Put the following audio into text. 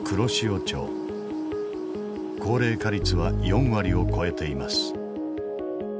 高齢化率は４割を超えています。